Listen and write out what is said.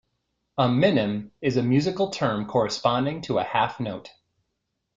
A minim is a musical term corresponding to a half note